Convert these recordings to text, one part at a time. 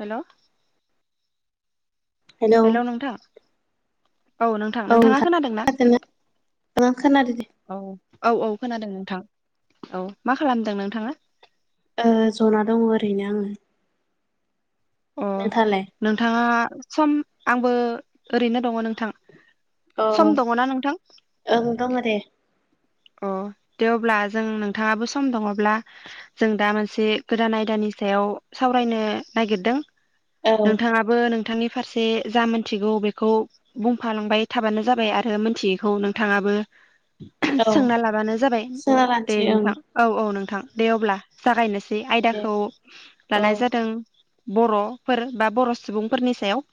हेल' hello hello औ नोंथां! औ नोंथां नोंथाङा खोनादोंना ओं खोनादों दे औ। औ औ खोनादों नोंथां औ मा खालामदों नोंथाङा। ओ जना दङ ओरैनो ओं। अ नोंथाङा। साम आंबो ओरैनो दङ नोंथां। औ सम दङना नोंथां? ओं दङ दे। अ दे अब्ला जों नोंथाङाबो सम दङब्ला जों दा मोनसे गोदान आयदानि सायाव सावरायनो नागिरदों। औ नोंथाङाबो नों‌ नोंथांनि फारसे जा मिथिगौ बेखौ बुंफालांबाय थाबानो जाबाय आरो मोनथियैखौ नोंथाङाबो। औ सोंना लाबानो जाबाय सोना दे लानोसै ओं नोंथां औ औ नोंथां। दे अब्ला जागायनोस दे आयदाखौ औ लानाय जादों। बर'फोर बा बर' सुबुंफोरनि सायाव।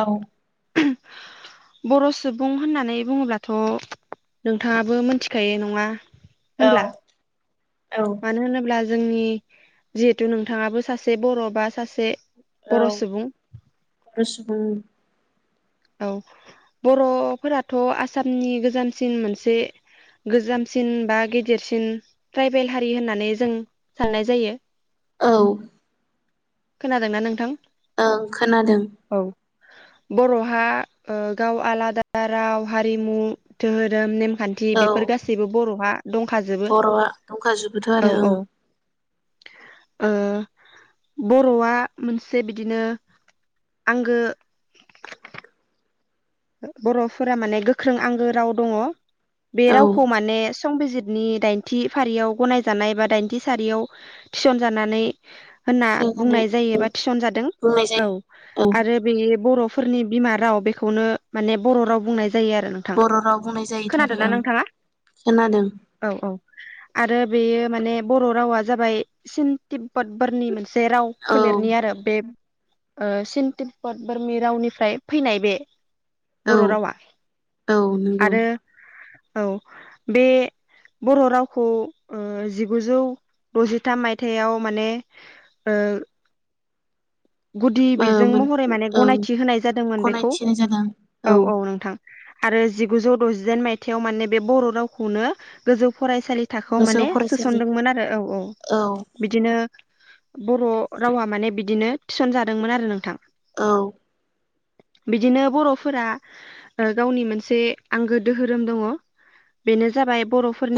औ। बर' सुबुं होननानै बुङोब्लाथ नोंथाङा। बो मिथिखायो नङा। औ होनब्ला औ मानो होनोब्ला। जोंनि जिहेथु नोंथाङाबो सासे बर' बा सासे औ बर' सुबुं बर सुबुं। औ बर'फोराथ आसामनि गोजामसिन मोनसे गोजामसिन बा गेदिरसिन ट्राइबेल हारि होननानै जों साननाय जायो औ। खोनादोंना नोंथां। ओ खोनादों। औ बर'हा गाव आलादा राव हारिमु धोहोरोम नेमखा दि औ बेफोर गासैबो बर'हा दंखाजोबो बर'आ दंखाजोबोथ' औ आरो औ ओं ओ बर'आ मोनसे बिदिनो आंगो बर'फोरा माने गोख्रों आंगो राव दङ बे औ रावखौ माने संबिजिर नि दाइनथि फारियाव गनायजानाय बा दाइनथि सारियाव थिसनजानानै होनना फिसिजानाय बुंनाय जायो एबा थिसनजादों बुंनाय औ जायो औ आरो बेयो बर' फोरनि बिमा राव बेखौनो माने बर' राव बुंनाय जायो आरो नोंथां बर' राव बुंनाय जायोथ' आरो खोनादोंना ओं नोंथाङा खोनादों औ औ आरो बेयो माने बर' रावा जाबाय सिन तिब्बत बरनि मोन से राव औ फोलेरनि आरो बे सिन तिब्बत बोरमि रावनिफ्राय फैनाय बे औ बर' रावा औ नंगौ आरो औ बे बर' रावखौ ओ जिगुजौ दजिथाम मायथाइयाव माने ओ गुदि ओ बिजों मोन महरै माने ओं गनायथि होनाय जादोंमोन बेखौ गनायथिनाय जादों औ औ नोंथां आरो जिगुजौ दजिदाइन मायथाइयाव माने बे बर' रावखौनो गोजौ फराय सालि थाखोआव गोजौ माने फरायसालि सोसनदोंमोन आरो औ औ बिदिनो बर' रावा माने बिदिनो थिसन जादोंमोन आरो नोंथां औ बिदिनो बर' फोरा गावनि मोनसे आंगो दोहोरोम दङ बेनो जाबाय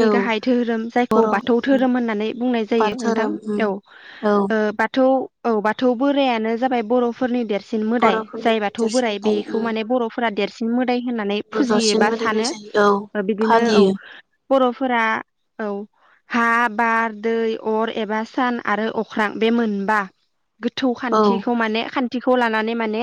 औ गाहाय धोरोम जायखौ बर' बाथौ धोरोम होननानै बुंनाय जायो बाथौ नोंथां धोरोम उम औ औ बाथौ औ बाथ बाथौ बोरायानो जाबाय बर'फोरनि देरसिन सिन मोदाय बर'फोरनि जाय बाथौ देरसिन बोराय थाय बेखौ माने फोरा देरसिन मोद दाम होननानै फुजियो गोजौसिन बा मोदायनाय सानो जायो औ बिदिनो औ फालियो बर'फोरा औ हा बार दै अर एबा सान आरो अख्रां बे मोनबा गोथौ औ खान्थिखौ माने खान्थि खौ लानानै माने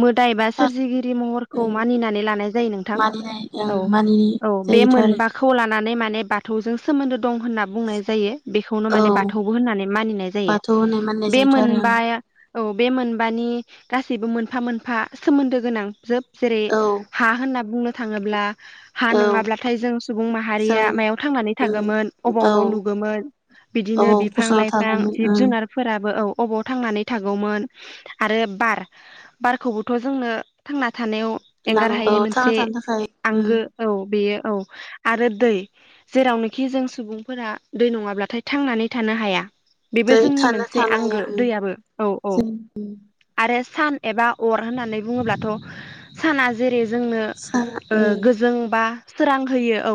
मोदाय बा सोरजिगिरि महरखौ मानिनानै लानाय जायो नोंथां मानिनाय ओं औ मानिनाय औ बे जायोथ' आरो मोनबाखौ लानानै माने बाथौजों सोमोन्दो दं होनना बुंनाय जायो बेखौनो औ माने बाथौबो होननानै मानिनाय जायो बाथौ होननाय मानिनाय बे जायोथ' आरो मोनबाया औ बे मोनबानि गासैबो मोनफा मोनफा सोमोन्दो गोनां। जोब जेरै ओं हा होनना बुंनो थाङोब्ला हा औ नङाब्लाथाय जों सुबुं जों माहारिया मायाव थांनानै उम थागौमोन अबाव औ न' लुगोमोन औ बिदिनो बिफां गसंना लाइफां थागौमोन जिब उम जुनारफोराबो औ अबाव थांनानै थागौमोन आरो बार बारखौबोथ' जोंनो थांना थानायाव एंगार नांगौ हायै औ थांना मोनसे थानो थाखाय उम आंगो औ बेयो औ आरो दै जेरावनोखि जों सुबुंफोरा दै नङाब्लाथाय थांनानै थानो हाया। बेबो दै जोंनि थानो मोनसे थानो हाया आंगो उम दैयाबो औ औ जों आरो ए सान एबा अर होननानै बुङोब्लाथ' साना जेरै जोंनो सा ओ उम गोजों बा सोरां होयो औ।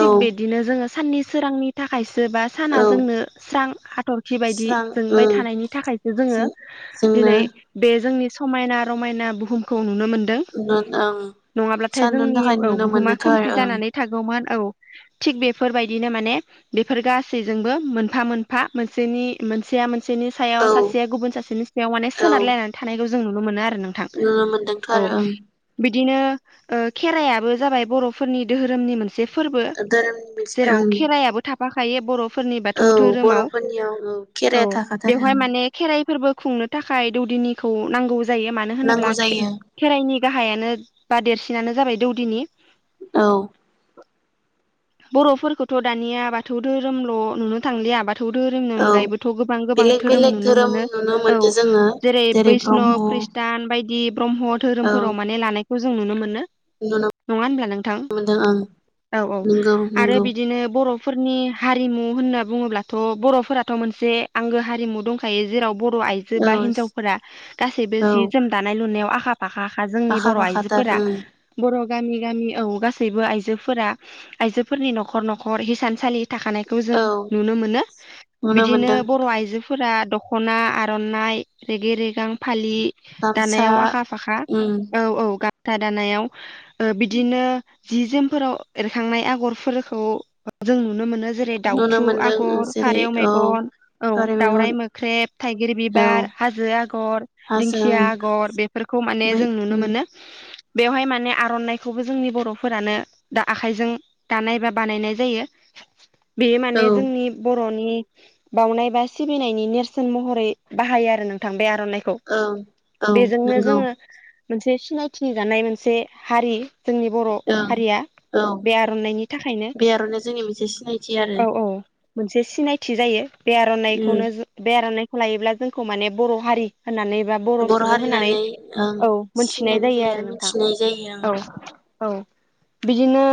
औ बिदिनो जोङो साननि सोरांनि थाखायस जोबा साना औ जोंनो स्रां हाथ'रखि बायदि स्रां जोंबाय उम थानायनि थाखायसो जोङो जों जोंनो दिनै बे जोंनि समायना रमायना बुहुम खौ नुनो मोनदों ओं नङाब्लाथाय सानदुंनि जोंनि थाखाय औ नुनो बुहुमा मोनदोंथ' खोमसि आरो जानानै थागौमोन औ। थिग बेफोरबायदिनो माने बेफोर गासैजोंबो मोनफा मोनफा मोनसेनि मोनसेया मोन सेनि सायाव ओं सासेया गुबुन सासेनि सायाव माने औ सोनारलायनानै थानायखौ जों जों नुनो मोनो आरो नोंथां नुनो मोनदों। थ' औ आरो ओं बिदिनो ओ खेराइयाबो जाबाय बर'फोरनि दोहोरोमनि मोनसे से फोरबो धोरोमनि मोनसे जेराव ओं खेराइयाबो थाब बाखायो बर' फोरनि औ बाथौ धोरोमाव बर'फोरनियाव औ खेराया थाखाथारो बेवहाय ओं माने खेराइ फोरबो खुंनो थाखाय दौदिनिखौ नांगौ जा जायो मानो नांगौ होनोब्ला जायो खेराइनि गाहाइयानो बा देरसिनानो जाबाय दौदिनि औ बर'फोरखौथ' दानिया बाथौ दोहोरोमल' नुनो थांलिया बाथ बाथौ धोरोमनि औ अनगायैबोथ' गोबां गोबां बेलेग धोरोम बेलेग नुनो मोनो नुनो औ मोनदों जोङो जेरै ब्रह्म बैष्णब खृष्टान बायदि ब्रह्म औ धोरोमाव माने लानाय बेखौ जों नुनो मोनो। नङा नुनो होनब्ला नोंथां मोनदों ओं औ औ नंगौ आरो नंगौ बिदिनो बर' फोरनि हारिमु होनना बुङोब्लाथ बरफोराथ मोनसे आंगो हारिमु दंखायो जेराव बर' आइजो बा औ हिन्जावफोरा गासैबो औ जि जोम दानाय लुनायाव आख फाखा खा जोंनि आखा फाखाथार बर'आइजोफोरा उम बर' गामि गामि औ गासैबो आइजोफोरा आइजो फोरनि नखर नखर हिसानसालि थाखानायखौ जों औ नुनो मोनो नुनो बिदिनो मोनदों बर आइजोफोरा दखना आरनाइ रेगे रेगां फालि गामसा खा उम औ औ गामसा दानायाव ओ बिदिनो जि जोमफोराव एरखांनाय आगरफोरखौ जों नुनो मोनो। जेरै नुनो दाावथु मोनदों आगर, जेरै फारेव औ मेगन औ फारि दाउराइ मेगन मोख्रेब, थाइगिर औ बिबार, हाजो आगर, हाजों दिंखिया आगर बेफ खौ माने मै जों नुनो मोनो। बेवहाय माने आरनाइखौबो जोंनि बरफोरानो दा आखाइजों दानाय बा बानायनाय जायो। बेयो औ माने जोंनि ब रनि बावउनाय बा सिबिनायनि नेरसोन महरै बाहायो आरो नोंथां बे आ औ औ नो नंगौ जोङो मोनसे सिनायथि जानाय मोनसे हारि। जोंनि बर ओं हारिया औ बे आरनाइनि थाखायनो बे आर'नाया जोंनि मोनसे सिनायथि आरो औ औ मोनसे सिनायथि जायो। बे उम आरनायखौनो जो बे आरनाय लायोब्ला जोंखौ माने बर हारि होननानै बा बर सुब होननानै ओं सिनायनाय जायो आरो मिथिनाय जायो ओं औ औ बिदिनो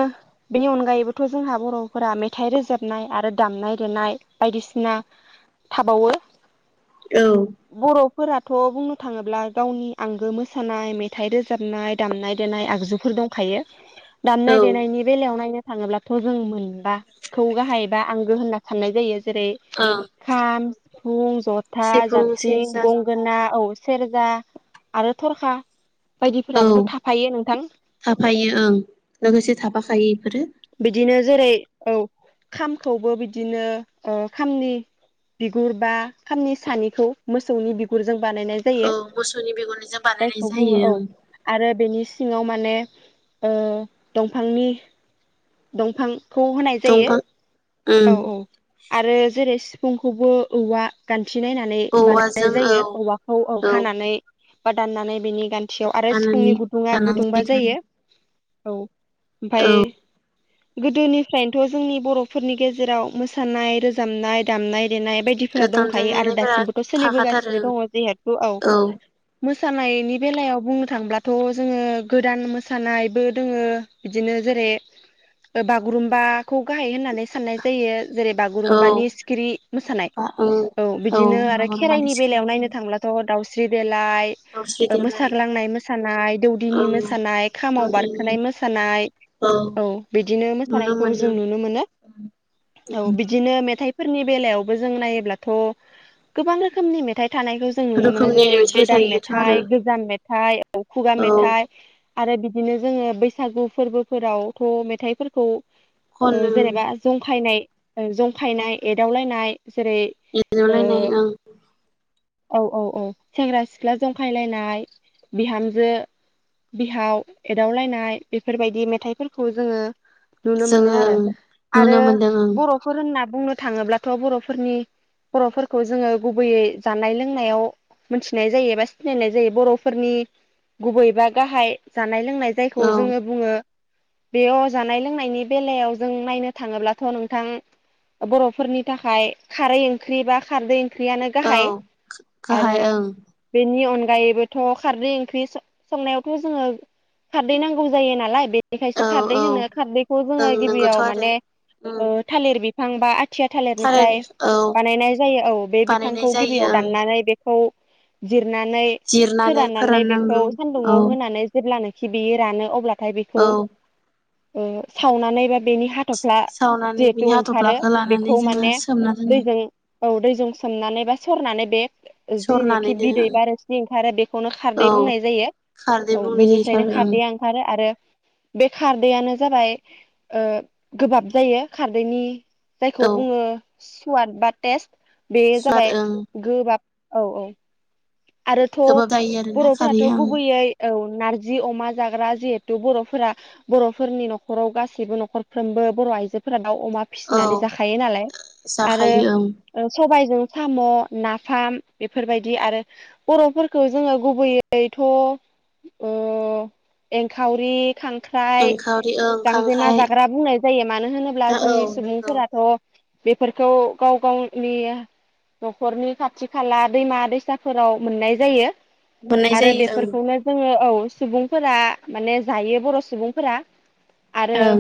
बेनि अनगायैबोथ जोंहा बरफोरा मेथाइ रोजाबनाय आरो दामनाय देनाय बायदिसिना थाबावो। औ फोराथ बुंनो थाङोब्ला गावनि आंगो मोसानाय मेथाइ रोजाबनाय दामनाय देनाय आगजुफोर दंखायो। औ दामनाय देनायनि बेलायाव नायनो थाङोब्लाथ' जों मोनबाखौ गाहाइ बा आंगो होनना साननाय जायो। जेरै ओं खाम फुं जथा सिफुं जाबस्रिं सेरजा जथा गंगोना औ सेरज दा आरो थर'खा औ बायदिफोराबोथ' थाफायो नोंथां थाफायो ओं लोगोसे थाफाखायो एफोरो। बिदिनो जेरै औ खामखौबो बिदिनो ओ खामनि बिगुर बा खामनि सानिखौ मोसौनि बिगुरजों बानायनाय औ जायो। मोसौनि बिगुरनिजों बानायनाय जायखौ बुङो जायो औ ओं आरो बेनि सिङाव माने ओ दंफांनि दंफां खौ होनाय जायो दंफां ओम औ औ। आरो जेरै सिफुंखौबो औवा गान थि नायनानै औवाजों बानायनाय औ जायो औवाखौ औ हानानै। बा दाननानै बिनि गान थियाव आरो हानानै सिफुंनि गुदुङा दाननानै गुदुंबा जायो। जाहैथारो औ। ओमफाय गोदोनिफ्रायनोथ' जोंनि बर'फोरनि गेजेराव मोसानाय रोजाबनाय दामनाय देनाय औ बायदिफोरा दंखायो आरो दामजानायफोरा दासिमबोथ' थाखाथारो सोलिबोगासिनो दङ जहेथु औ। मोसानायनि बेलायाव बुंनो थांब्लाथ' जोङो गोदान मोसानायबो दोङो बिदिनो जेरै बागुरुम्बा। खौ गाहाइ होननानै साननाय जायो जेरै औ बागुरुम्बानि सिखिरि मोसानाय औ बिदिनो आरो बागुरुम्बानि खेराइनि सिख्ला बेलायाव नायनो मोसानाय थांब्लाथ' दावस्रि लाय दावस्रि ओ देलाय मोसाग्लांनाय मोसानाय दौदिनि औ मोसानाय खामाव दौदिनि बारखोनानाय मोसानाय औ बिदिनो नुनो मोसानायखौ जों मोनदों नुनो मोनो औ बिदिनो मेथाइ फोरनि बेलायावबो जों नायोब्लाथ' गोबां रोखोमनि मेथाइ थानायखौ जों नुनो मोनो रोखोमनि जेरै मेथाइ गोदान थायोथ' आरो मेथाइ गोजाम मे मेथाइ खुगा औ मेथाइ आरो बिदिनो जोङो बैसागु फोरबोफोरावथ' मेथाइफोरखौ ओ खनो जेनेबा जंखानायनाय जंखायनाय एदावलायनाय जेरै ओ एदावलायनाय ओं। औ औ औ। सेंग्रा सिख्ला जंखायलायनाय बिहामजो बिहाव एदावलायनाय बेफोरबायदि मेथाइफोरखौ जोङो नुनो मोनो जोङो आरो ओं आरो नुनो मोनदों बरफोर होनना बुंनो थाङोब्लाथ' बर'फोरनि बर'फोरखौ जोङो गुबैयै जानाय लोंनायाव मोनथिनाय जायो एबा सिनायनाय जायो बर'फोरनि गुबैबा गाहाय जाथ जानाय लोंनाय जायखौ ओं जोङो बुङो बेयाव जानाय लोंनायनि बेलायाव जों नायनो थाङोब्लाथ नोंथां बरफोरनि थाखाय खारै ओंख्रि बा खारदै ख्रियानो औ औ गाहाय। गाहाय ओं नि अनगायैबोथ खारदै ओंक्रि संनायावथ जोङो खारदै नांगौ जायो नालाय बे बेखायसो औ खारदै औ होनो खारदैखौ जोङो ओं गिबियाव नंगौथ' आरो माने ओम ओ थालिर बिफां फांबा आयथिया थालिरनिफ्राय थालिर औ बानायनाय जायो औ बे बानायनाय बिफांखौ जायो गिबियाव ओं दाननानै बे औ जिर नानै जिरनानै फोराननानै बेखौ फोराननांगौ औ सान्दुुंङाव होनानै जेब्लानो खिबियो रानो अब्ला थाय बेखौ औ ओ सावनानैबा बेनि हाथफ्ला सावनानै जिहेतु बिनि ओंखारो हाथ'फ्लाखौ लानानै बेखौ जोङो माने सोमना दोनो दैजों औ दैजों सोमनानै बा सरनानै बे सरनानै जेनोखि बिदै दोनो बा रोसि ओंखारो बेखौनो औ खारदै बुंनाय जायो खारदै औ बुंनाय जायो बेनिफ्रायनो सार ओं खारदैया ओंखारो आरो बे खारदैआनो जाबाय ओ गोबाब जायो खारदैनि जायखौ औ बुङो सवाद बा टेस्ट। बे सुवाद जाबाय ओं गोबाब औ औ आरोथ' गोबाब जायो आरोना बर'फोराथ' खारैया ओं गुबैयै औ नारजि अमा जाग्रा जिहेथु बरफोरा बरफोरनि नखराव गासैबो नखरफ्रोमबो बर आइजोफोरा दाव अमा औ फिसिनानै जाखायो नालाय आरो जाखायो ओं सबाय जों साम' नाफाम बेफोरबायदि आरो बरफोरखौ जोङो गुबैयैथ' ओ एंखावरि खांख्राइ एंखावरि ओं गांजेमा खांख्राइ जाग्रा बुंनाय जायो मानो होनोब्ला औ जोंनि नंगौ सुबुंफोराथ' बेफोरखौ गाव गावनि नखरनि खाथि खाला दैमा दैसा फोराव मोननाय जायो मोननाय आरो जायो ओं बेफोरखौनो जोङो औ सुबुंफोरा माने जायो बर' सुबुंफोरा आरो ओं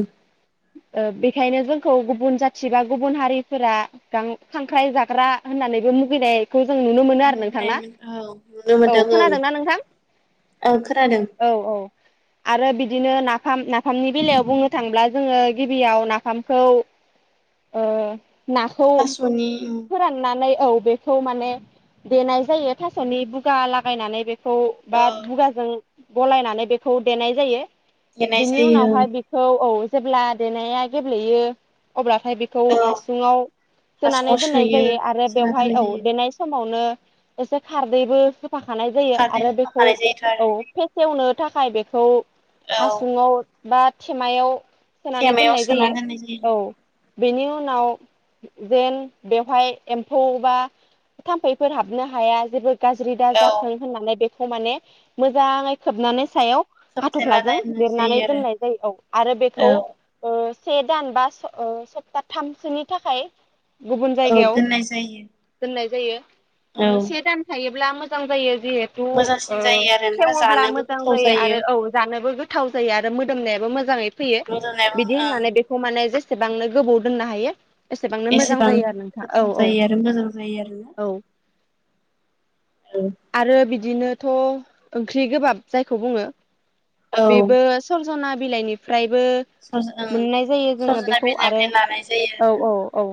ओ बेखायनो जोंखौ गुबुन जाथि बा गुबुन हारिफोरा गां खांख्राइ जाग्रा होननानैबो मुगैनाय खौ जों नुनो मोनो आरो औ नोंथां ना नुनो औ मोनदों ओं खोनादोंना नोंथां ओं खोनादों औ औ आरो बिदिनो नाफाम नाफामनि बेलायाव बुंनो थांब्ला जोङो गिबियाव नाफामखौ नाखौ थास'नि फोराननानै औ बेखौ माने देनाय जायो थासनि बुगा लागायनानै बे खौ बा औ दुगाजों गलायनानै बेखौ देनाय जायो देनाय बिनि जायो ओं उनावहाय बेखौ औ जेब्ला देनाया गेब्लेयो अब्ला नाथाय बेखौ औ हासुङाव हासुङाव सोनानै सोयो आरो सोना बेवहाय दोननाय औ जायो देनाय समाव समावनो एसे खारदैबो फाखानाय जायो खारदै आरो बेखौ होफाखानाय जायोथ' आरो औ सेवनो थाखाय बेखौ औ हासुंआव बा थेमायाव सोनानै थेमायाव दोननाय सोना जायो दोननाय जायो औ बेनि उनाव जेन बेवहाय एम्फौ बा थाम्फैफोर हाबनो हाया जेबो गाज्रि दा औ जाथों होननानै बे माने मोजां सोबनानै सायाव खोबथेना हाथफ्लाजों दोननाय जायो लिरनानै आरो दोननाय जायो औ आरो औ बेखौ से दान बा सप्तााथामसोनि थाखाय गुबुन औ जायगायाव दोननाय जायो दोननाय जायो औ से दान थायो ब्ला मोजां जायो जिहेथु मोजांसिन ओ जायो आरोना सेवोला जानोबो मोजां गोथाव जायो आरो औ जानोबो गो गोथाव जायो आरो मोदोमनायाबो मोजाङै फैयो मोदोमनायाबो बिदि ओं होननानै बेखौ माने ज एसेबांनो गोबाव दोननो हायो एसेबांनो मोजां ओं जायो आरो नोंथां औ गोथाव औ जायो आरो मोजां जायो आरो ना औ आरो बिद बिदिनोथ ओंख्रि गोबाब जायखौ बुङो औ बेबो सम जना बिलाइनिफ्रा फ्रायबो सज ओं मोननाय जायो जोङो सजना बेखौ आरो बिलाइनिफ्राय लानाय जायो औ आरो औ औ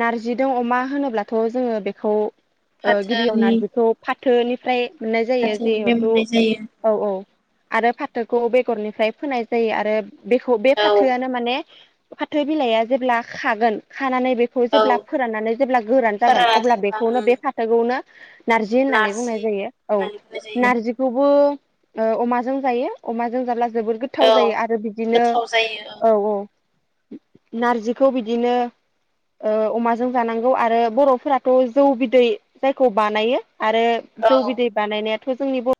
नारजिजों अमा होनोब्लाथ जोङो बेखौ ओ गिबियाव फाथोनि नारजिखौ फाथोनि फ ओमफ्राय मोननाय जायो फाथोनिफ्राय जिहेथु मोननाय जायो औ औ आरो फाथोखौ बेगरनिफ्राय फोनाय जायो आरो बेखौ बे औ फाथोआनो माने फाथो बिलाइआ जेब्ला खागोन खानानै बे खौ औ जेब्ला फोराननानै जेब्ला गोरान जागोन फोरानना अब्ला दोनबा बेखौनो ओं बे फाथोखौनो नारजि होननानै बुंनाय नारजि जायो औ होननानै बुंनाय जायो नारजिखौबो ओ अमाजों जायो अमाजों जाब्ला जोबोर गोथाव जायो आरो बिदिनो गोथाव जायो ओं औ औ नारजिखौ बिदिनो ओ अमाजों जानांगौ आरो बरफोराथ जौ बिदै जायखौ बानायो आरो जौ औ बिदै बानायनाया थ जोंनि बर